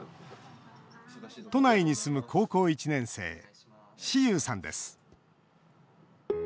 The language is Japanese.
都内に住む高校１年生士悠さんです。